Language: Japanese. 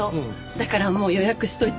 だからもう予約しといた。